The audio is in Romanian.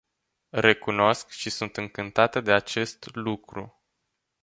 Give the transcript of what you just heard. Recunosc și sunt încântată de acest lucru.